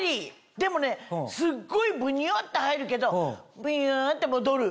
でもねすっごいブニュって入るけどビユって戻る。